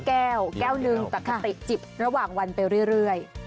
ขอแก้ว๑แต่ติดจิบระหว่างวันไปเรื่อย